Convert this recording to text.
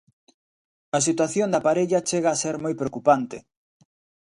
A situación da parella chega a ser moi preocupante.